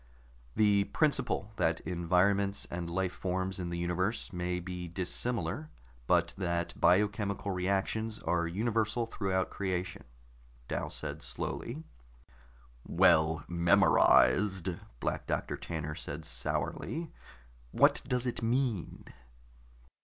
"The principle that environments and life forms in the universe may be dissimilar, but that biochemical reactions are universal throughout creation," Dal said slowly. "Well memorized," Black Doctor Tanner said sourly. "What does it mean?"